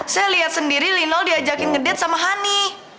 saya lihat sendiri linol diajakin ngedet sama hani